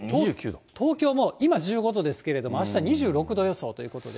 東京も今、１５度ですけれども、あした２６度予想ということで。